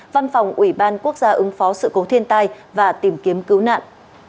văn phòng ủy ban quốc gia ứng phó sự cố thiên tai và tìm kiếm cứu nạn